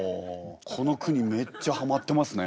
この句にめっちゃはまってますね。